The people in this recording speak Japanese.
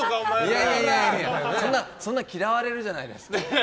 いやいや、そんな嫌われるじゃないですか。